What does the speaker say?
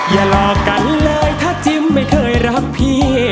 อย่าหลอกกันเลยถ้าจิ้มไม่เคยรักพี่